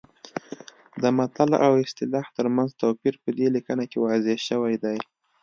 د متل او اصطلاح ترمنځ توپیر په دې لیکنه کې واضح شوی دی